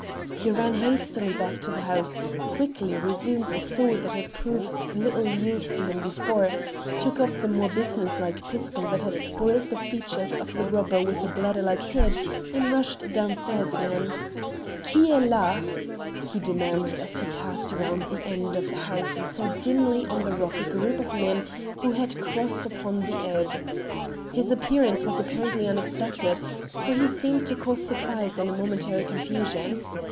He ran hastily back to the house, quickly resumed the sword that had proved little use to him before, took up the more businesslike pistol that had spoiled the features of the robber with the bladder like head, and rushed downstairs again. "Qui est la?" he demanded as he passed round the end of the house and saw dimly on the rock a group of men who had crossed upon the ebb. His appearance was apparently unexpected, for he seemed to cause surprise and a momentary confusion.